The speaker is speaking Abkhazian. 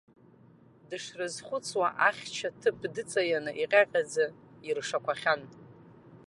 Дышрызхәыцуа, ахьча ҭыԥ дыҵаианы, иҟьаҟьаӡа иршақәахьан.